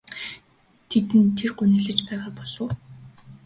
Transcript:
Тэнд тэр гуниглаж байгаа болов уу?